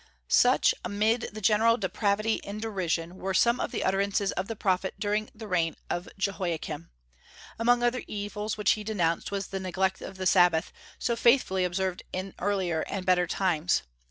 Such, amid general depravity and derision, were some of the utterances of the prophet, during the reign of Jehoiakim. Among other evils which he denounced was the neglect of the Sabbath, so faithfully observed in earlier and better times.